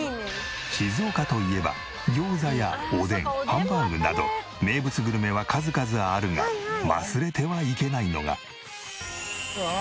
静岡といえば餃子やおでんハンバーグなど名物グルメは数々あるが忘れてはいけないのが。